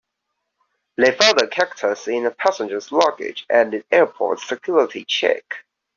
They found a cactus in a passenger's luggage at the airport's security check.